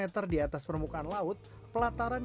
tadi di bandung sengaja kesini